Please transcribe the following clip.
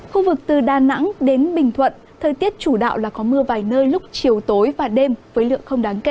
khu vực từ đà nẵng đến bình thuận thời tiết chủ đạo là có mưa vài nơi lúc chiều tối và đêm với lượng không đáng kể